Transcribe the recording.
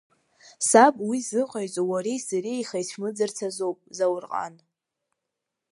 Саб уи зыҟаиҵо, уареи сареи хаицәмыӡырц азоуп, Заурҟан!